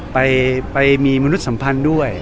ไปมีมนุษย์สัมพันธ์ด้วย